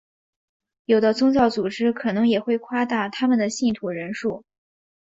有的宗教组织可能也会夸大他们的信徒人数。